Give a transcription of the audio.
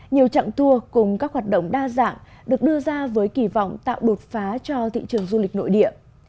nhiều trạng tour cùng các hoạt động đa dạng được đưa ra với kỳ vọng tạo đột phá cho thị trường du lịch nội địa